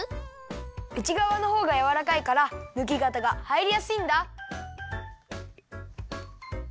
うちがわのほうがやわらかいからぬきがたがはいりやすいんだ。